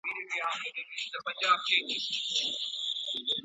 هغه بل د اسلام له منلو څخه ډډه وکړي.